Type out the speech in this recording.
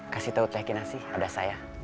kasih tau cekinan sih ada saya